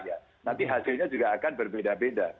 ya nanti hasilnya juga akan berbeda beda